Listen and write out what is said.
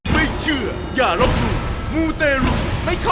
มูนไนท์